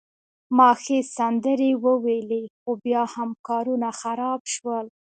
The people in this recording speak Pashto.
ما ښې سندرې وویلي، خو بیا هم کارونه خراب شول.